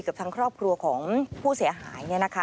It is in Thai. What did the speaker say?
กับทั้งครอบครัวของผู้เสียหายเนี่ยนะคะ